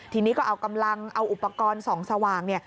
ทีนี้ก็เอากำลังเอาอุปกรณ์ส่องสว่างเนี่ย